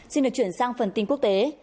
xin được chuyển sang phần tin quốc tế